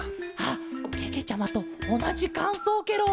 あけけちゃまとおなじかんそうケロ！